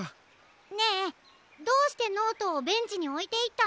ねえどうしてノートをベンチにおいていったの？